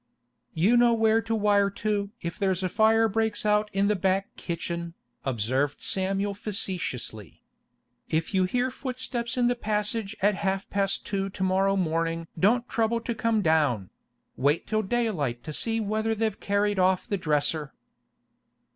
'You know where to wire to if there's a fire breaks out in the back kitchen,' observed Samuel facetiously. 'If you hear footsteps in the passage at half past two to morrow morning don't trouble to come down; wait till daylight to see whether they've carried off the dresser.